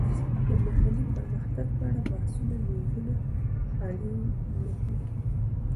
د محلي پرمختګ په اړه د بحثونو میزونه خالي نه وي.